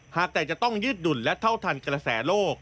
แต่จะต้องยืดดุลและเท่าทันกระแสโลก